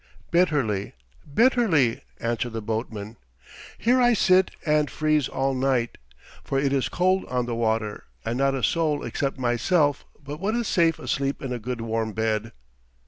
"Bitterly, bitterly!" answered the boatman. "Here I sit and freeze all night, for it is cold on the water, and not a soul except myself but what is safe asleep in a good warm bed."